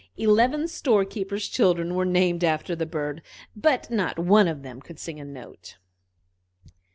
Eleven storekeepers' children were named after the bird, but not one of them could sing a note.